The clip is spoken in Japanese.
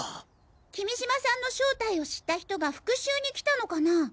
君島さんの正体を知った人が復讐に来たのかなぁ。